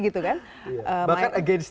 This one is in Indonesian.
gitu kan bahkan against